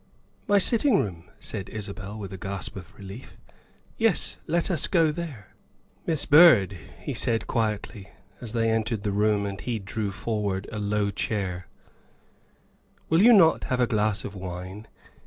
''*' My sitting room, '' said Isabel with a gasp of relief ;'' yes, let us go there. ''" Miss Byrd," he said quietly as they entered the room and he drew forward a low chair, " will you not have a glass of wine?